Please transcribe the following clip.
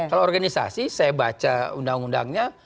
kalau organisasi saya baca undang undangnya